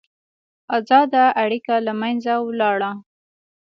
ازاده اړیکه له منځه ولاړه.